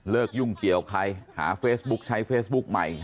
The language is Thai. ยุ่งเกี่ยวใครหาเฟซบุ๊คใช้เฟซบุ๊กใหม่